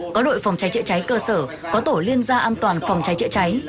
có đội phòng cháy chữa cháy cơ sở có tổ liên gia an toàn phòng cháy chữa cháy